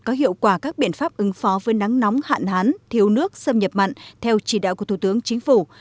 có hiệu quả các biện pháp ứng phó với nắng nóng hạn hán thiếu nước xâm nhập mặn theo chỉ đạo của thủ tướng chính phủ